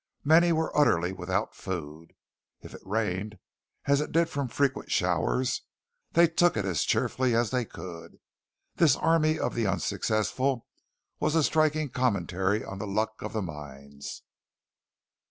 Many were utterly without food. If it rained, as it did from frequent showers, they took it as cheerfully as they could. This army of the unsuccessful was a striking commentary on the luck of the mines.